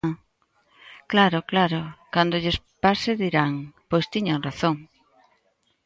¡Claro, claro!, cando lles pase dirán: ¡Pois tiñan razón!